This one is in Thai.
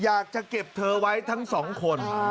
อยากจะเก็บเธอไว้ทั้งสองคน